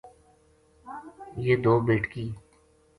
یہ دو بیٹکی